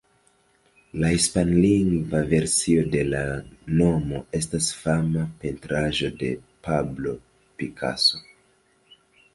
La hispanlingva versio de la nomo estas fama pentraĵo de Pablo Picasso.